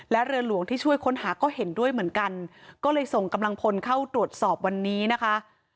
และเรือหลวงที่ช่วยค้นหาก็เห็นด้วยเหมือนกันก็เลยส่งกำลังพลเข้าตรวจสอบวันนี้นะคะ